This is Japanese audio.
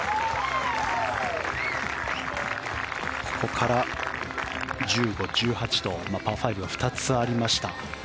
ここから１５、１８とパー５が２つありました。